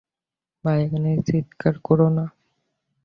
ভাই, এখানে চিৎকার করো না।